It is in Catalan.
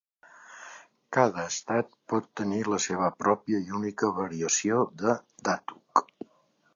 Cada estat pot tenir la seva pròpia i única variació de "Datuk".